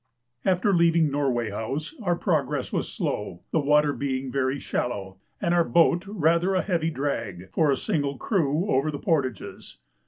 After leaving Norway House our progress was slow, the water being very shallow, and our boat rather a heavy drag, for a single crew, over the portages.